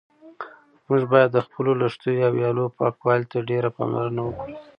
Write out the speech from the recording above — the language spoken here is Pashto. موږ باید د خپلو لښتیو او ویالو پاکوالي ته ډېره پاملرنه وکړو.